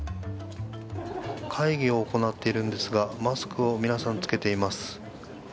会議を行っているんですがマスクを皆さん着けています。